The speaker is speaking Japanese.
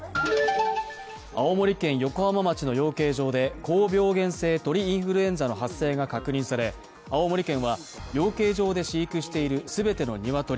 青森県横浜町の養鶏場で高病原性鳥インフルエンザの発生が確認され青森県は養鶏場で飼育している全ての鶏